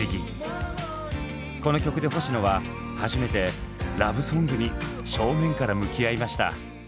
この曲で星野は初めてラブソングに正面から向き合いました。